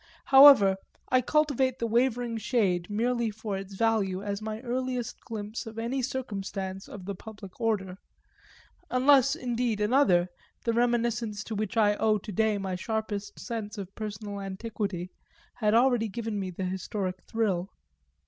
However, I cultivate the wavering shade merely for its value as my earliest glimpse of any circumstance of the public order unless indeed another, the reminiscence to which I owe to day my sharpest sense of personal antiquity, had already given me the historic thrill.